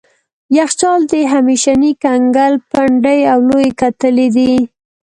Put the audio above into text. یخچال د همیشني کنګل پنډې او لويې کتلې دي.